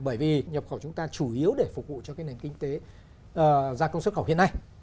bởi vì nhập khẩu chúng ta chủ yếu để phục vụ cho cái nền kinh tế gia công xuất khẩu hiện nay